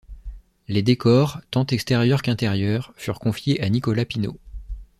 Les décors, tant extérieurs qu'intérieurs furent confiés à Nicolas Pineau.